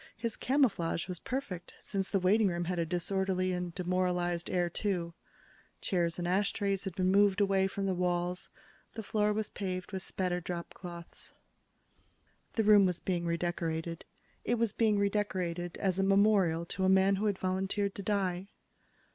His camouflage was perfect, since the waiting room had a disorderly and demoralized air, too. Chairs and ashtrays had been moved away from the walls. The floor was paved with spattered dropcloths. The room was being redecorated. It was being redecorated as a memorial to a man who had volunteered to die.